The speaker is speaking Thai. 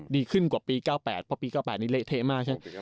ดีขึ้นกว่าปี๙๘เพราะปี๙๘นี้เละเทะมากใช่ไหม